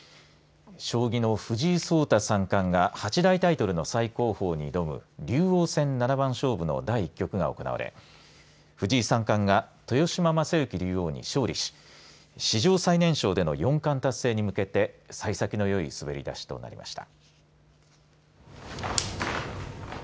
将棋の藤井聡太三冠が八大タイトルの最高峰に挑む竜王戦七番勝負の第１局が行われ藤井三冠が豊島将之竜王に勝利し史上最年少での四冠達成に向けてさい先のよい滑りだしとなりました。